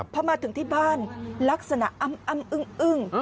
พอมาถึงที่บ้านลักษณะอ้ำอึ้ง